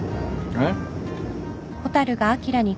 えっ？